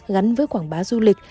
gắn với quảng bá du lịch